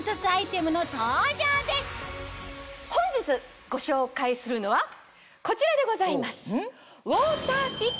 本日ご紹介するのはこちらでございます。